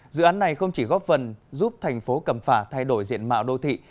dự án này không chỉ góp phần giúp thành phố cẩm phả thay đổi diện mạo đô thị